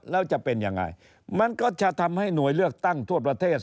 แล้วจะเป็นยังไงมันก็จะทำให้หน่วยเลือกตั้งทั่วประเทศ